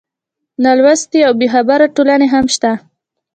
نالوستې او بېخبره ټولنې هم شته.